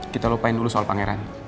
kita lupain dulu soal pangeran